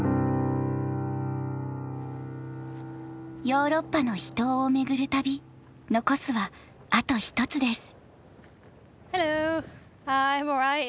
ヨーロッパの秘湯を巡る旅残すはあと１つです。